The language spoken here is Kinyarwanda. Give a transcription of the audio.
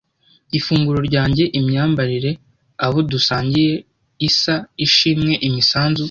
Ifunguro ryanjye, imyambarire, abo dusangiye, isa, ishimwe, imisanzu,